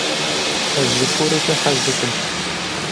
Ez ji porê te hez dikim.